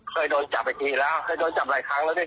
เคยโดนจับอีกนิดแล้วเคยโดนจับหลายครั้งซักที